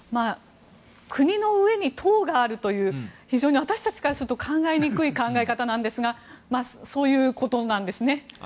国の上に党があるという非常に私たちからすると考えにくい考え方なんですがそういうことなんですね。